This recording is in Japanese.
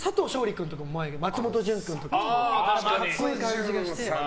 君とか松本潤君とか格好いい感じがして。